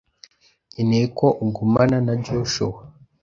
nkeneye ko ugumana na Joshua.